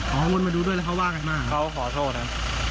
เค้าวนมาดูด้วยแล้วเค้าว่ากันมาเหรอเค้าขอโทษครับ